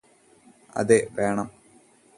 അതെ വേണം